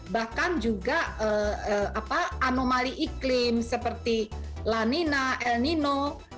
bahkan juga anomali iklim seperti la nina el nino